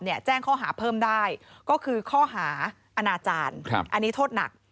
แจ้งข้อหาเพิ่มได้ก็คือข้อหาอาณาจารย์อันนี้โทษหนัก